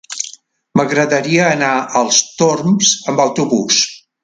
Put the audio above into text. M'agradaria anar als Torms amb autobús.